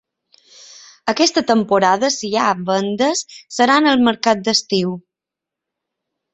Aquesta temporada, si hi ha vendes, seran al mercat d'estiu.